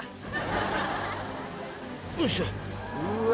よいしょ。